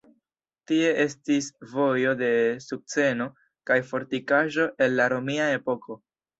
Tie estis Vojo de Sukceno kaj fortikaĵo el la romia epoko.